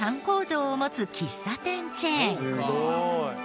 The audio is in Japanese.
工場を持つ喫茶店チェーン。